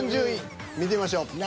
３０位見てみましょう。